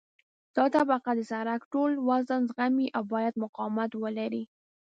دا طبقه د سرک ټول وزن زغمي او باید مقاومت ولري